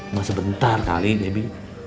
masa bentar kali debi